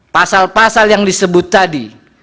pasal pasal yang disebut tadi